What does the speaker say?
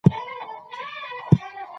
هر بدلون یو ځانګړی هدف لري.